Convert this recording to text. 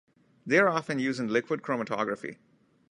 They are often used in liquid chromatography.